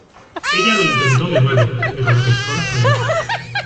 Ella lo intentó de nuevo, pero la pistola falló.